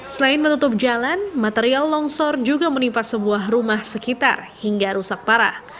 selain menutup jalan material longsor juga menimpa sebuah rumah sekitar hingga rusak parah